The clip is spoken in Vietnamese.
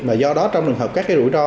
và do đó trong đường hợp các cái rủi ro